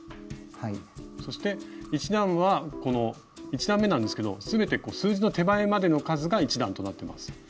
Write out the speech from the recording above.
そして１段めなんですけど全て数字の手前までの数が１段となってます。